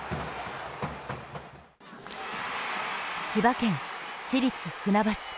千葉県・市立船橋。